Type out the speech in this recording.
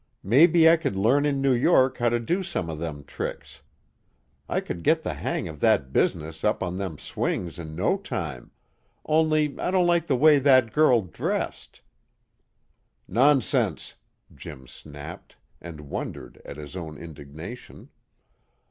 "Maybe I could learn in New York how to do some of them tricks. I could git the hang of that business up on them swings in no time, only I don't like the way that girl dressed " "Nonsense!" Jim snapped, and wondered at his own indignation.